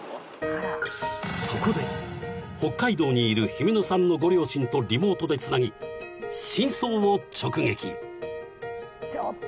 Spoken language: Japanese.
［そこで北海道にいる姫乃さんのご両親とリモートでつなぎ真相を直撃］